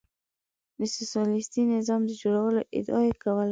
د سوسیالیستي نظام د جوړولو ادعا یې کوله.